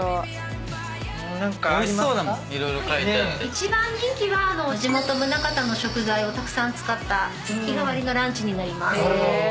一番人気は地元宗像の食材をたくさん使った日替わりのランチになります。